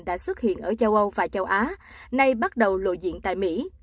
đã xuất hiện ở châu âu và châu á nay bắt đầu lội diện tại mỹ